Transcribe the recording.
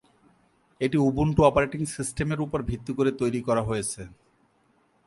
এটি Ubuntu operating সিস্টেমের উপর ভিত্তি করে তৈরী করা হয়েছে।